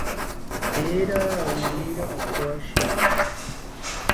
Tee rawiero ikoshekia